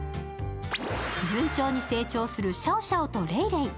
順調に成長するシャオシャオとレイレイ。